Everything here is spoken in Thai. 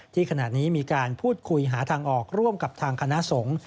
ขณะนี้มีการพูดคุยหาทางออกร่วมกับทางคณะสงฆ์